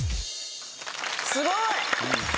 すごい！